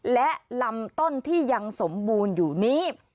และลำต้นที่ยังสมบูรณ์อยู่นี้